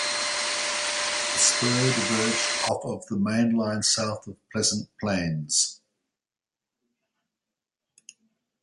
The spur diverged off of the Main Line south of Pleasant Plains.